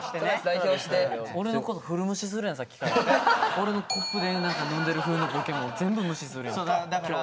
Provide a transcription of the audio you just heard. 俺のコップで何か飲んでる風のボケも全部無視するやん今日。